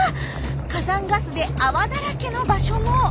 火山ガスで泡だらけの場所も。